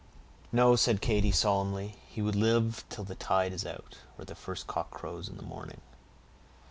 "No," said Katy, solemnly, "he will live till the tide is out, or the first cock crows in the morning."